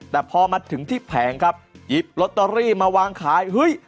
แต่พอมาถึงที่แผงครับหยิบลอตเตอรี่มาวางขายเฮ้ย